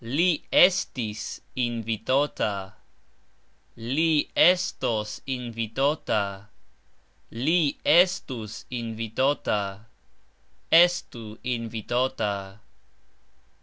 Li estis invitota. Li estos invitota. Li estus invitota. Estu invitota.